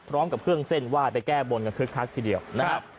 พร้อมกับเครื่องเส้นไหว้ไปแก้บนกันคึกคักทีเดียวนะครับ